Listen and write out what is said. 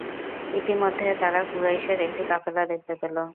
ইতিমধ্যে তারা কুরাইশের একটি কাফেলা দেখতে পেল।